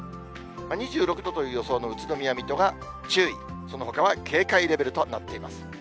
２６度という予想の宇都宮、水戸が注意、そのほかは警戒レベルとなっています。